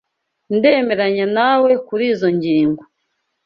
Ndemeranya nawe kurizoi ngingo.